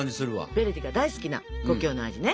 ヴェルディが大好きな故郷の味ね。